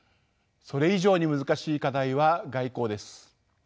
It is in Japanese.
それ以上に難しい課題は外交です。